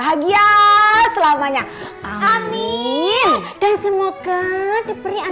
tapi setelah saya ngajar ya